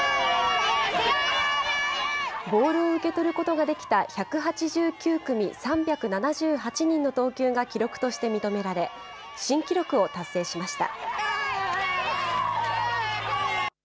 ボールを受け取ることが出来た１８９組３７８人の投球が記録として認められ、新記録を達成しました。